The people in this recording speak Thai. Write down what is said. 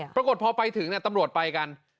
ปรากฏพอไปถึงตำรวจไปกัน